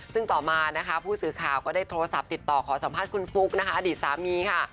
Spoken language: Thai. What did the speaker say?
ซึ่งต่อมานะคะผู้สื่อข่าวก็ได้โทรศัพท์ติดต่อขอสัมภาษณ์คุณฟุ๊กนะคะอดีตสามีค่ะ